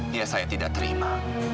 dia saya tidak terima